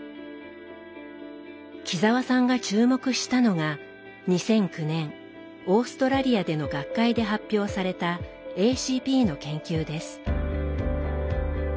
木澤さんが注目したのが２００９年オーストラリアでの学会で発表されたＡＣＰの研究です。